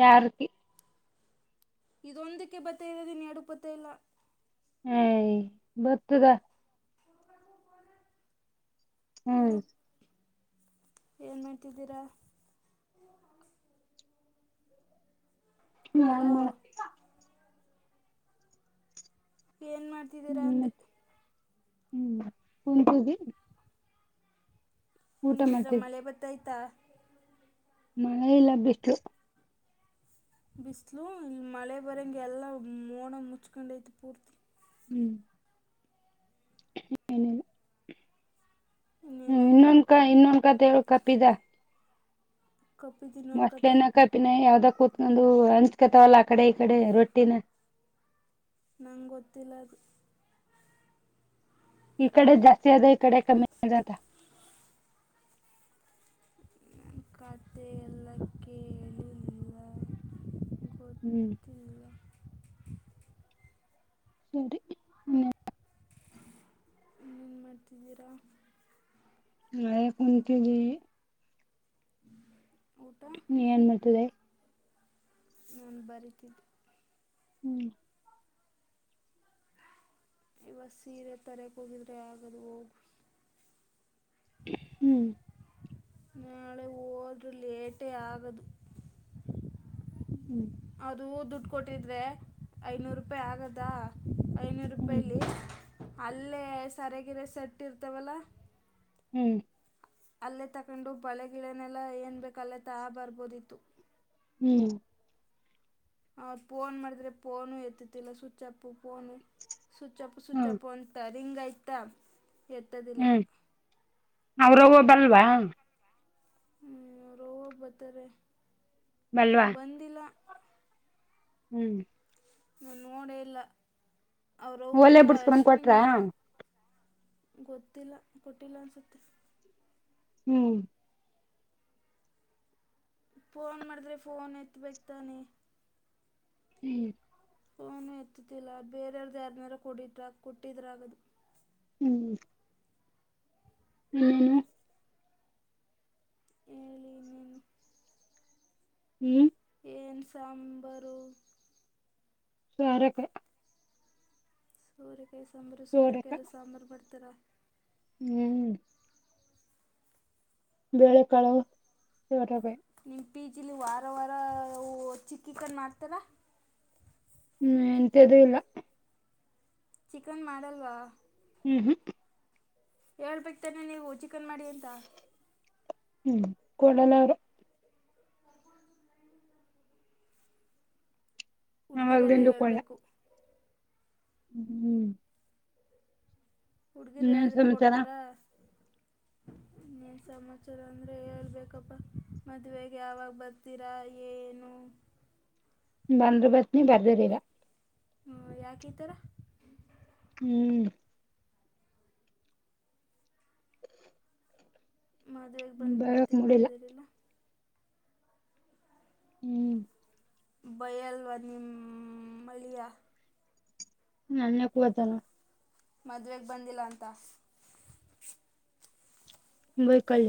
ಯಾರಿಗಿ ಇದೊಂದಕ್ಕೆ ಪತ್ತ ಇರೋದನ್ ಎರಡ ಪತ್ತ ಇಲ್ಲ ಹೇ ಬರ್ತದ ಹ್ಮ್ ಇದು ಏನ್ ಮಾಡ್ತಿದ್ದೀರಾ ನಾಯೆನ್ ಹಲೋ ಮಾಡ ಏನು ಮಾಡ್ತಿದ್ದೀರಾ ಹ್ಮ್ ಅಂದೆ ಮತ್ತೆ ಹ್ಮ್ ಕುಂತಿವ ಕುಂತಿದ್ರ ಮಳೆ ಬತ್ತಯ್ತಾ ಮಳೆ ಇಲ್ಲ ಬಿಸಲು ಬಿಸಲು ಇಲ್ಲಿ ಮಳೆ ಬರಂಗೆ ಎಲ್ಲ ಮೋಣ ಮುಚ್ಕೊಂಡೈತಿ ಪೂರ್ತಿ ಹ್ಮ್ ಏನಿಲ್ಲ ಹ್ಮ್ ಇನ್ನೇನು ಇನ್ನೊಂದಕ ಇನ್ನೊಂದು ಕಥಿ ಹೇಳಾಕತ್ತಿ ಬಾ ಕಪ್ಪಿದ್ದು ಅನ್ಕತ ಮಸಳನ ಕಾಯಪಿನ ಯಾವ್ದ ಕುೂತ್ಕೊಂಡು ಅಂಚ್ಕತವಲ್ಲ ಆ ಕಡೆ ಈ ಕಡೆ ರೊಟ್ಟಿನ ನಂಗ್ ಗೊತ್ತಿಲ್ಲ ಈ ಕಡೆ ಜಾಸ್ತಿ ಅದ ಇ ಕಡೆ ಕಮ್ಮಿ ಅದ ಅಂತ ಕಥೆ ಎಲ್ಲಾ ಕೇಳಿಲ್ಲ ಹ್ಮ್ ಚಾಟ್ ಚಾಟ್ ಸರಿ ಇನ್ನೇನು ಏನು ಮಾಡ್ತಿದ್ದೀರಾ ಮನ್ಯಾಗ ಕುಂತಿದ್ವಿ ಹಾ ನೀ ಏನ್ ಮಾಡ್ತಿದೆ ನನ್ ಬರಿತಿದ್ದೆ ಹ್ಮ್ ಶಿವ ಸೀರೆ ತಗೋಕೆ ಆಗದು ಹೋಗು ಹ್ಮ್ ನಾಳೆ ಹೋದ್ರರು ಲೇಟೇ ಆಗದು ಹ್ಮ್ ಅದುೂ ದುಡ್ಡು ಕೊಟ್ಟಿದ್ರೆ ಐನೂರು ರೂಪಾಯಿ ಆಗದಾ ಐನೂರು ಹ್ಮ್ ರೂಪಾಯಿಲಿ ಅಲ್ಲೇ ಸರಾಗಿರೆ ಸೆಟ್ ಇರ್ತವಲ್ಲ ಹ್ಮ್ ಅಲ್ಲೇ ತಗೊಂಡು ಬಳೆಗಿಳೆನೆಲ್ಲ ಏನ್ ಬೇಕಲ್ಲೇ ತಾ ಬರ್ಬೋದಿತ್ತು ಹ್ಮ್ ಅವ್ರ ಫೋನ್ ಮಾಡಿದ್ರೆ ಫೋನು ಎತ್ತಿತಿಲ್ಲ ಸ್ವಿಚ್ ಅಪ್ ಫೋನು ಸುಚ್ಚಪು ಹ್ಮ್ ಸುಚ್ಚಪು ಅಂತ ರಿಂಗ್ಯ್ತ ಹ್ಮ್ ಅವ್ರವಬಲ್ವಾ ಹ್ಮ್ ರೋಗ ಬರ್ತಾರೆ ಬಲ್ವಾ ಬಂದಿಲ್ಲ ಹ್ಮ್ ನ ನೋಡಲ್ಲ ಒಳ್ಳೆ ಬುಡ್ಸ್ಕೊ ಬಂದ ಕೊಟ್ರ ಗೊತ್ತಿಲ್ಲ ಕೊಟ್ಟಿಲ್ಲ ಅನ್ಸುತ್ತೆ ಹ್ಮ್ ಫೋನ್ ಮಾಡಿದ್ರೆ ಫೋನ್ ಎತ್ಬೇಕಕ್ ತಾನೆ ಹ್ಮ್ ಓನು ಎತ್ತುತ್ತಿಲ್ಲ ಬೇರೆಯವಾರ್ದ ಯಾರನಾರೂ ಕುಡಿಟ್ರಾ ಕೊಟ್ಟಿದ್ರಾಗದು ಹ್ಮ್ ಎನ್ನೇನು ಹೇಳಳಿ ನೀನು ಹ್ಮ್ ಏನ್ ಸಾಂಬಾರು ಸುರಕ ಸೋರೆಕಾಯ ಸಾಂಬಾರು ಸೋರಕ ಸೋರೆಕಾಯಲ್ಲ ಸಾಂಬಾರು ಬರ್ತರ ಹ್ಮ್ ಬೇಳೆಕಾಳು ಇವಟ ಬೀಜಿಲಿ ವಾರ ವಾರ ಚಿಕ್ಕಿ ಕಣ ಮಾಡ್ತಾರ ಹ್ಮ್ ಎಂತ ಅದ ಇಲ್ಲ ಚಿಕನ್ ಮಾಡಲ್ವಾ ಹ್ಮ್ ಹ್ಮ್ ಹೇಳ್ಬೇಕಕ್ತನೆ ನೀವು ಚಿಕನ್ ಮಾಡಿ ಅಂತ ಹ್ಮ್ ಕೊಳನರು ಹುಡ್ಗೀರೆಲ್ಲ ಅವಾಗ್ಲಿಂದು ಕೊಡ್ಲ ಹೇಳ್ಬೇಕು ಹ್ಮ್ ಹುಡ್ಗಿರು ಇನ್ನೇನ್ ಹೇಳದ್ರೆ ಸಮಾಚಾರ ಕೊಡ್ತಾರ ನೀಏನ್ ಸಮಾಚಾರ ಅಂದ್ರೆ ಹೇಳ್ಬೇಕಪ್ಪಾ ಮದ್ವೆಗೆ ಯಾವಾಗ ಬರ್ತೀರಾ ಏನು [unintelligible] ಬಂದ್ರ ಬತ್ ನೀ ಬರ್ದಿರ್ಲ್ಲ ಹ್ಮ ಯಾಕ ಈತರ ಹ್ಮ್ ಮದ್ವೆೆಗೆ ಬಂದ್ರೆ ಬರಕ್ ಬತನ್ ಮೂಡಿಲ್ಲ ಬರ್ದಿರಿಲ್ಲ ಹ್ಮ್ ಬಲ್ವಾನ್ನಿಮಳಿಯ ನನ್ಯ ಕೂತಾನ ಮದ್ವೆೆಗೆ ಬಂದಿಲ್ಲ ಅಂತ ವೈಕಾಲ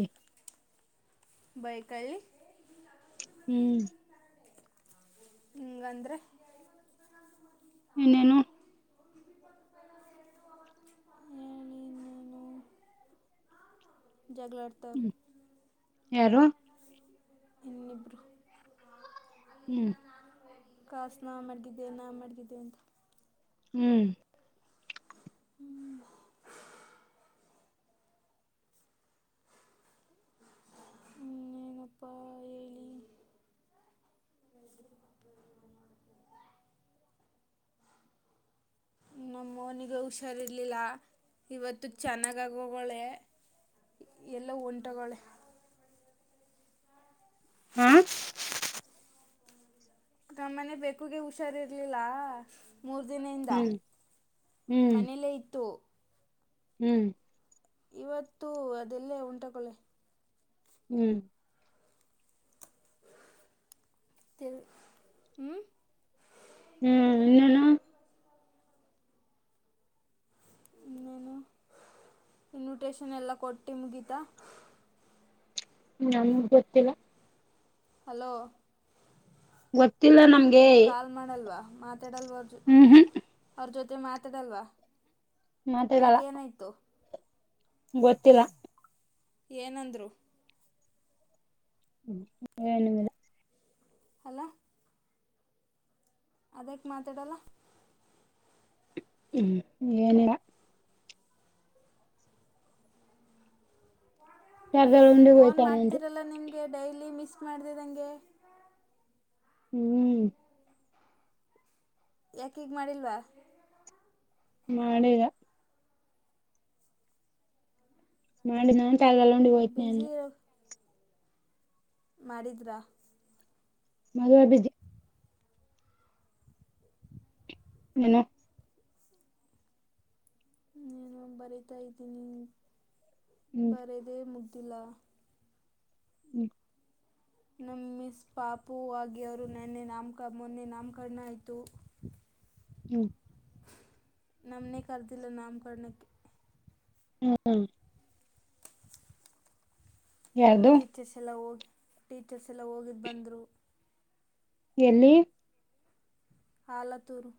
ಬೈಕಲ್ ಹ್ಮ್ ಅಂದ್ರೆ ಇನ್ನೇನು ಏನಿನ್ನೇನು ಜಗಳಲಡ್ತ ಹ್ಮ್ ಯಾರು ನಿಬ್ರ ಹ್ಮ್ ಕಾಸು ನಾ ಮ್ಗಿದ್ದೆ ನಾ ಮಡಗಿದ್ದೆ ಅಂತ ಹ್ಮ್ ನನಪ್ಪ ಹೇಳಿ ನ ಮಾಡ [unintelligible] ನಮ್ಮ ನಿಗೆ ಹುಷಾರ್ರ್ಲಿಲ್ಲ ಇವತ್ತು ಚೆನ್ನಾಗಾಗಿ ಹೋಗಳೆ ಎಲ್ಲ ಒಂಟೆ ಹ್ಮ ನಮ್ಮನೆ ಬೇಕುಗೆ ಹುಷ ಹುಷರಿ ಇರ್ಲಿಲ್ಲ ಮೂರು ದಿನದಿಂದ ಹ್ಮ್ ಹ್ಮ್ ಮನೇಲ್ಲೇ ಇತ್ತು ಹ್ಮ್ ಇವತ್ತು ಅದೆಲ್ಲ ಉಂಟಕೊಳ್ಳೆ ಹ್ಮ್ ತಿ ಹ್ಮ್ ಹ್ಮ್ ಇನ್ನಾನ ಇನ್ನೇನು ಇನ್ವಿಟೇಶನ್ ಎಲ್ಲ ಕೊಟ್ಟಿ ಮುಗೀತಾ ನಮಗ್ ಗೊತ್ತಿಲ್ಲ ಹಲೋ ಒತ್ತ [inaudible] ನೀವು ಕಾಲ್ ಮಾಡಲ್ವಾ ಮಾತಾಡಲ್ವ ಅವ್ರ ಜ ಹ್ಮ್ ಹ್ಮ್ ಅವ್ರ ಜೊತೆ ಮಾತಾಡಲ್ವಾ ಮಾತಾಡಲ್ಲ ಯಾಕೆ ಏನಾಯ್ತು ಗೊತ್ತಿಲ್ಲ ಏನಂದ್ರು ್ಮ ಅಲ ಅದಕ್ಕೆ ಮಾತಾಡಲ್ಲ ಹ್ಮ್ ಏನಿಲ್ಲ ಜಗಲ್ಲ ಉಂಡ ಹಯ್ತಾನು ೆ ಡೈಲಿ ಮಿಸ್ ಮಾಡಿದೆದಂಗೆ ಹ್ಮ್ ಯಾಕ ಈಗ್ ಮಾಡಿಲ್ವಾ ಮಾಡಿದ ಮಾಡಿ ನಾನು ಕಾಲಲ್ಲೋೊಂಡಿ ಇಲ್ಲ ಹಯತನನೆ ಮಾಡಡಿಿದ್ರ ಮದುವ ಬಿಜ ಏನ ನೀನು ಬರತಾ ಇದ್ದೀನಿ ಹ್ಮ್ ಬರದೆೇ ಮು್ದ ಲ ಹ್ಮ್ ನಮ್ಮ ಮಿಸ್ ಪಾಪು ಆಗಿಯವರು ನನ್ನೆ ನಾಮಕ ಮೊನ್ನೆ ನಾಮಕರಣ ಆಯ್ಿತು ಹ [inaudible] ಹೂ ನಮನೆೇ ಕರ್ದಿಲ್ಲ ನಾಮ ಕರ್ಣಕ್ಕೆ ಹ್ಮ ಯಾರ್ದು ಟೀಚರ್ಸ್ ಎಲ್ಲ ಹೋಗಿ ಟೀಚರ್ಸ್ ಎಲ್ಲ ಹೋಗಿದ್ದು ಬಂದರು ಎಲ್ಲಿ ಆಲತೂರು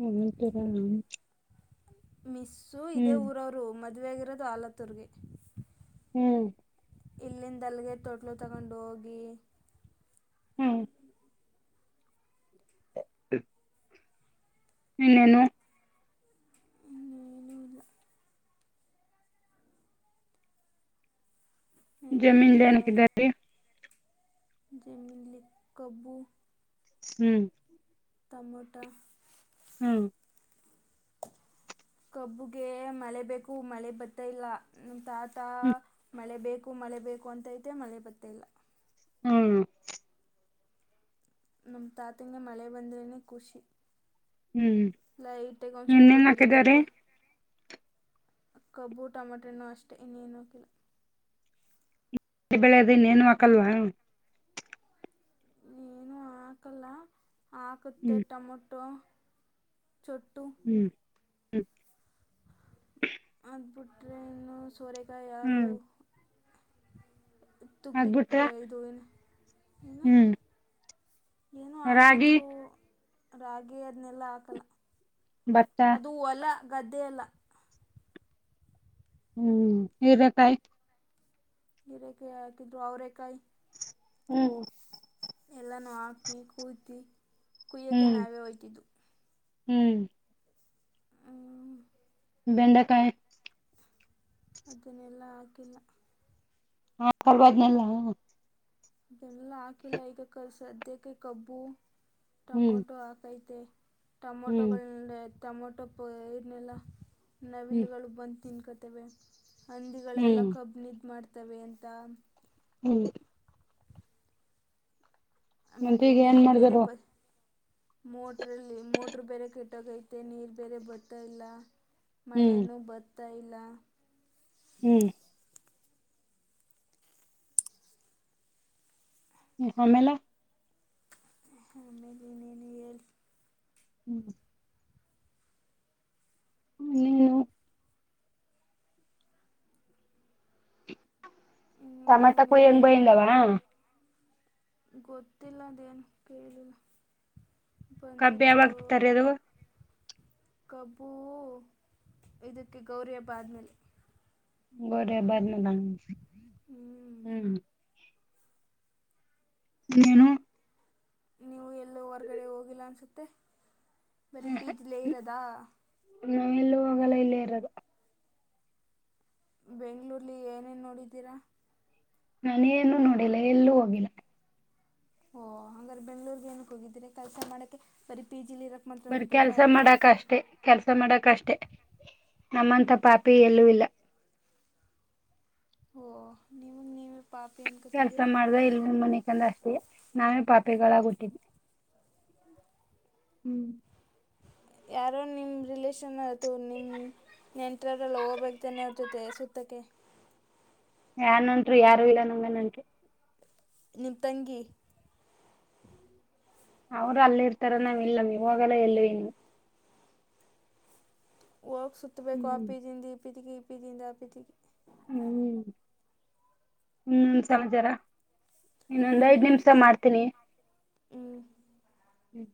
ವು ಮಿಸ್ಸು ಇದೇ ಊರವರು ಮದುವೆಗಿರೋದು ಆಲತ್ತೂರ್ರಿಗೆ ಹ್ಮ್ ಇಲ್ಲಿಂದ ಅಲಗೆ ತೊಟ್ಲು ತಗೊಂಡು ಹೋಗಿ ಹ್ಮ್ ಹ್ಮ ಇನ್ನೇನು ಇನ್ನೇನೂ ಇಲ್ಲ ಜಮೀನ್ ನಕರಿ ಜಮಲಿ ಕಬೂ ಹ್ಮ್ ತಟಮಾಟಾ ಹ್ಮ್ ಕಬ್ಬುಗೆ ಮಲೆ ಬೇಕು ಮಲೆ ಬತ್ತಾ ಇಲ್ಲ ತಾ ಹ್ಮ್ ಮಳೆ ಬೇಕು ಮಳೆ ಬೇಕು ಅಂತೈತೆ ಮಳೆ ಬತ್ತ ಇಲ್ಲ ಹ್ಮ ನಮ್ ತಾತಂಗೆ ಮಳೆ ಬಂದ್ರೇನೆ ಖುಷಿ ಹ್ಮ್ ಲೈಟಗ್ ಒಂದ್ ಸ್ವಲ್ಪ ಇನ್ನೇನ್ ಹಾಕಿದಾರೆ ಬೆಳಿಗ್ಗೆಪ್ಪ ಕಬ್ಬು ಟೊಮಟನೋ ಅಷ್ಟೆ ಇನ್ನೇನು ಆಕ್ಕಿಲ್ಲ ಬೆಳೆದು ಇನ್ನೇನು ಹಾಕಲ್ವಾ ಏನು ಹಾಕಲ್ಲ, ಹಾಕುತ್ತೆ ಟೊಮೊಟೊ ಚೊಟ್ಟು ಹ್ಮ್ ಹ್ಮ್ ಟ್ರೆನ್ನು ಸೋರೆಕಾಯ್ ಯಾಳು ಹ್ಮ್ ತುಗ್ರಿಕ್ಕ ಅದ್ಬಿಟ್ರೆ ಇದು ಇನ್ನು ಹ್ಮ್ ಏನೊ ರಾಗಿ ಹಾಕಿದ್ರು ರಾಗಿ ಅದ್ನೆಲ್ಲ ಹಾಕಲ್ಲ ಭತ್ತ ಅದು ಹೊಲ ಗದ್ದೆ ಅಲ್ಲ ಹ್ಮ ಹೀರೆಕಾಯ್ ಹೀರೆಕಾಯ್ ಹಾಕಿದ್ರು ಅವ್ರೇಕಾಯ್ ಹ್ಮ ಎಲ್ಲಾನೂ ಹಾಕಿ ಕುಯ್ದಿ, ಕುಯ್ಯಕ್ಕೆ ನಾವೇ ಒಯ್ತಿದ್ದು ಹ್ಮ ಬೆಂಡೆಕಾಯ್ ಇಲ್ಲ ಹಾಕರ್ಬಾದ್ನಲ್ಲ ಎಲ್ಲ ಹಾಕಿಲ್ಲ ಈಗ ಕ ಸದ್ಯಕ್ಕೆ ಕಬ್ಬು ಹ್ಮ್ ಟೊಮೊಟೊ ಹಾಕೈತೆ ಹ್ಮ್ ಟಮೊಟೊಗಳ್ನೆ ಟಮೊಟೊ ಪ ಇದ್ನೆಲ್ಲಾ ಹ್ಮ್ ನವಿಲುಗಳು ಬಂದ್ ತಿನ್ ಅವೆ ಹಂದಿಗಳೆಲ್ಲ ಹ್ಮ್ ಕಬ್ನಿದ್ ಮಾಡ್ತವೆ ಅಂತ ಹ್ಮ ಮತ್ತೆ ಆಮೇಕೆ ಈಗ ಏನ್ ನೀರ್ ಬೇರೆ ಮಾಡ್ದರು ಬತ್ ಮೋಟ್ರಲ್ಲಿ, ಮೋಟ್ರ್ ಬೇರೆ ಕೆಟ್ಟೋಗೈತೆ ನೀರ್ ಬೇರೆ ಬತ್ತಾ ಇಲ್ಲ ಹ್ಮ್ ಮಳೆನು ಬತ್ತ ಇಲ್ಲ ಹ್ಮ್ ಹ್ಮ್ ಆಮೇಲೆ ಆಮೇಲ್ ಇನ್ನೇನು ಹೇಳ್ ಹ್ಮ್ ಹ್ಮ್ ಇನ್ನೇನು ಇನ್ನೇನು ಟಮಾಟ ನೀವು ಕೊಯ್ಯಂಗ್ ಎಲ್ಗೂ ಬೈಂದವ ಗೊತ್ತಿಲ್ಲ ಅದೇನ್ ಕೇಳಿಲ್ಲ ಕಬ್ ಯಾವಾಗ್ ಬಂದಿರ್ಬೋದು ತರೆದು ಕಬ್ಬು ಇದಕ್ಕೆ ಗೌರಿ ಹಬ್ಬ ಆದ್ಮೇಲೆ ಗೌರಿ ಹಬ್ಬ ಆದ್ಮೇಲ, ಹ್ಞೂ ಹ್ಮ್ ಇನ್ನೇನು ನೀವು ಎಲ್ಲೂ ಹೊರ್ಗಡೆ ಹೋಗಿಲ್ಲ ಅನ್ಸುತ್ತೆ ಬರಿ ಪಿಜಿ ಲೆ ಇರೋದ ನಾವೆಲ್ಲು ಹೋಗಲ್ಲ ಇಲ್ಲೇ ಇರೊದು ಬೆಂಗಳೂರ್ಲಿ ಏನೇನ್ ನೋಡಿದ್ದೀರಾ ನಾನೇನ್ ಓ ಅಂಗಾದ್ರೆ ಬೆಂಗ್ಳೂರ್ಗ್ ಏನಕ್ ಹೋಗಿದ್ರಿ ಕೆಲ್ಸ ಮಾಡಕ್ಕೆೆ ಬರೀ ಪಿ ಜಿ ಲಿ ಬರಿ ಕೆಲ್ಸ ಮಾಡಕ್ ಅಷ್ಟೆ, ಕೆಲ್ಸ ಮಾಡಕ್ ಅಷ್ಟೆ ನಮ್ಮಂತ ಪಾಪಿ ಎಲ್ಲೂ ಇಲ್ಲ ಓ ನೀವು ನೀ ಕೆಲ್ಸ ಮಾಡ್ದ ಇಲ್ಂದ್ ಮನಿ ಕಂದ ಅಷ್ಟೆ ನಾವೇ ಪಾಪಿಗಳಾಗ್ ಹುಟ್ಟಿದ್ ಹ್ಮ್ ಯಾರೋ ನಿಮ್ ರಿಲೇಷನ್ ಅಥವಾ ನಿಮ್ ನೆಂಟ್ರವ್ರಲ್ಲ ಹೋಬೇಕ್ ತನೇ ಅವ್ರ ಜೊತೆ ಸುತ್ತಕ್ಕೆ ಯ ನೆಂಟ್ರು ಯಾರು ಇಲ್ಲ ನಂಗೆ ನೆಂಟ್ರು ನಿಮ್ ತಂಗಿ ಅವರು ಅಲ್ಲಿ ಇರ್ತಾರ ನಾವ್ ಇಲ್ಲ [unintelligible] ಹೋಗ ಸುತ್ತಬೇಕು ಆ ಹ್ಮ್ ಪಿದಿ ಇಂದ ಈ ಪಿದಿಗೆ ಈ ಪಿದಿ ಇಂದ ಆ ಪಿದಿಗೆ ಹ್ಮ್ ಹ್ಮ್ ಸಮ್ಜರ ಇನ್ನೊಂದ್ ಐದ್ ನಿಮ್ಮ ನಿಮಿಷ ಪೀಜ್ ಮಾಡ್ತೀನಿ ಹ್ಞೂ ಹ್ಮ್